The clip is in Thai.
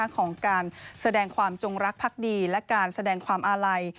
ของการแสดงความจงรักพักดีและการแสดงความอาลัย